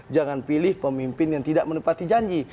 jangan pilih pemimpin yang tidak menepati janji